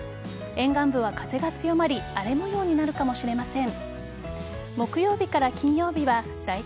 沿岸部は風が強まり荒れ模様になるかもしれません。